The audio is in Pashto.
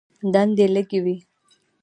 دندې لږې وې.